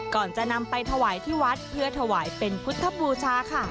ก่อนจะนำไปถวายที่วัดเพื่อถวายเป็นพุทธบูชาค่ะ